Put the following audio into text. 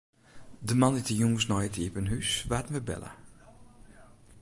De moandeitejûns nei it iepen hús waarden wy belle.